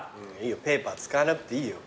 ペーパー使わなくていいよ。